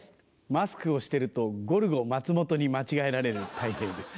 マスクをしてるとゴルゴ松本に間違えられるたい平です。